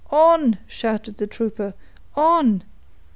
"On!" shouted the trooper "on!